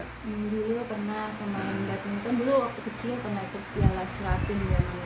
dulu pernah pemain badminton dulu waktu kecil pernah ikut yang last lapin